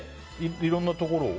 いろんなところを？